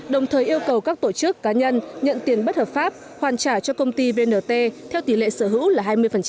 đồng thời yêu cầu các tổ chức cá nhân nhận tiền bất hợp pháp hoàn trả cho công ty vnt theo tỷ lệ sở hữu là hai mươi